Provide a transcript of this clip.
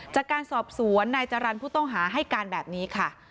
จากการสอบสวนนายจรรย์ผู้ต้องหาให้การแบบนี้ค่ะ